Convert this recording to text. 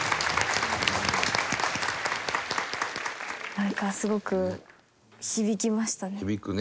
なんかすごく響きましたね。